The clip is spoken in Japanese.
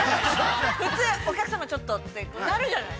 普通、お客様ちょっとってなるじゃない。